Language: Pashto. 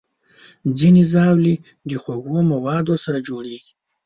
ځینې ژاولې د خوږو موادو سره جوړېږي.